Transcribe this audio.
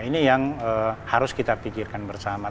ini yang harus kita pikirkan bersama